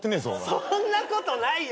そんなことないよ。